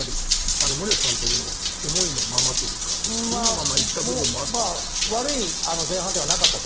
森保監督の思いのままというか意のまま行った部分もあったのかなと。